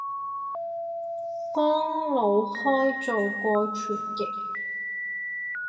幫腦闆做過傳譯